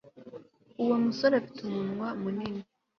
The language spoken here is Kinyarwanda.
uwo musore afite umunwa munini